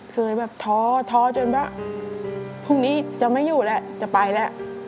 เคยแบบท้อท้อจนว่าพรุ่งนี้จะไม่อยู่แล้วจะไปแล้ว